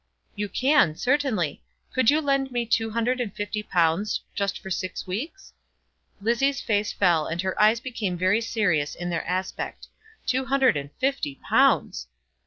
"You can, certainly. Could you lend me two hundred and fifty pounds, just for six weeks?" Lizzie's face fell and her eyes became very serious in their aspect. Two hundred and fifty pounds!